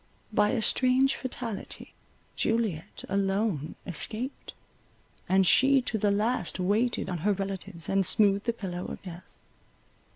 By a strange fatality Juliet alone escaped, and she to the last waited on her relatives, and smoothed the pillow of death.